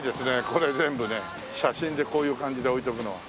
これ全部ね写真でこういう感じで置いておくのは。